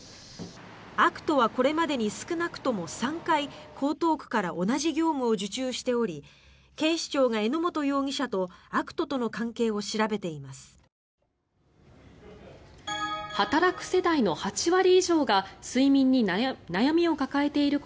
アクトはこれまでに少なくとも３回、江東区から同じ業務を受注しており警視庁が榎本容疑者とアクトとの関係を調べています。